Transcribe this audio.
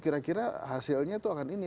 kira kira hasilnya itu akan ini